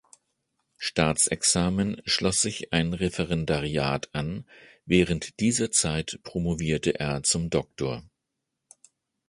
Staatsexamen schloss sich ein Referendariat an, während dieser Zeit promovierte er zum "Dr.